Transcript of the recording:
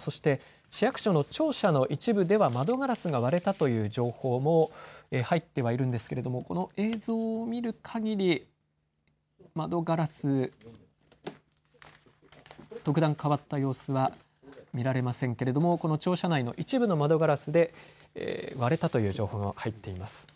そして市役所の庁舎の一部では窓ガラスが割れたという情報も入ってはいるんですけれども、この映像を見るかぎり窓ガラス、特段、変わった様子は見られませんけれどもこの庁舎内の一部の窓ガラスで割れたという情報が入っています。